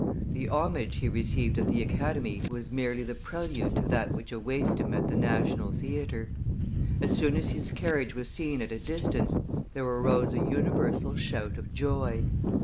The homage he received at the Academy was merely the prelude to that which awaited him at the National theatre. As soon as his carriage was seen at a distance, there arose a universal shout of joy.